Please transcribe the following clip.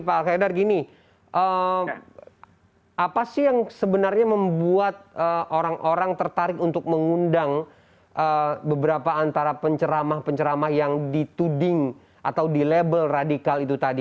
pak al qaedar gini apa sih yang sebenarnya membuat orang orang tertarik untuk mengundang beberapa antara penceramah penceramah yang dituding atau di label radikal itu tadi